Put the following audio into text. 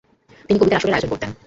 তিনি কবিতার আসরের আয়োজন করতেন।